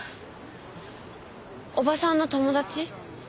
伯母さんの友達？